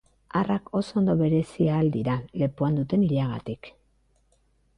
Arrak oso ondo bereizi ahal dira, lepoan duten ileagatik.